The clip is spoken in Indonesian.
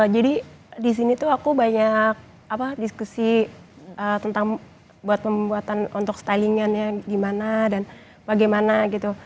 di sini tuh aku banyak diskusi tentang buat pembuatan untuk styling an ya gimana dan bagaimana gitu